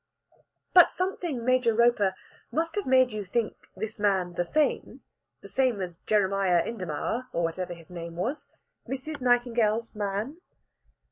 "But something, Major Roper, must have made you think this man the same the same as Jeremiah Indermaur, or whatever his name was Mrs. Nightingale's man?"